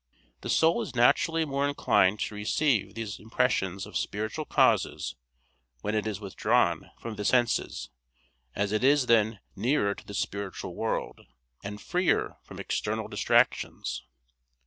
The soul is naturally more inclined to receive these impressions of spiritual causes when it is withdrawn from the senses, as it is then nearer to the spiritual world, and freer from external distractions.